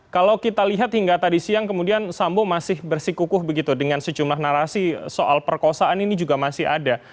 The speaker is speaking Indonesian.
kalau kita lihat hingga tadi siang kemudian sambo masih bersikukuh begitu dengan sejumlah narasi soal perkosaan ini juga masih ada